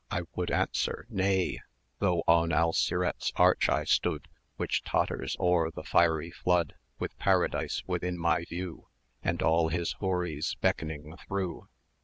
I would answer nay; Though on Al Sirat's arch I stood, Which totters o'er the fiery flood, With Paradise within my view, And all his Houris beckoning through.